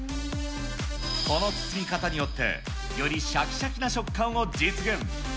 この包み方によって、よりしゃきしゃきな食感を実現。